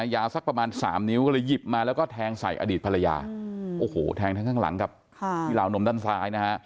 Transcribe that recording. ยาวสักประมาณ๓นิ้วก็เลยยิบมาแล้วก็แทงใส่อดีตภรรยาแทงข้างหลังกับนิราวนมซ้าย